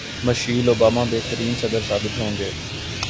Michel Obama بہترین صدر ثابت ہوں گی